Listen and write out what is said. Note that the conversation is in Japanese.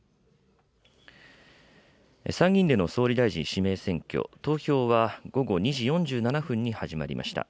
参議院での総理大臣指名選挙、投票は午後２時４７分に始まりました。